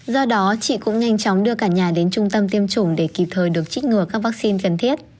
do đó chị cũng nhanh chóng đưa cả nhà đến trung tâm tiêm chủng để kịp thời được trích ngừa các vaccine cần thiết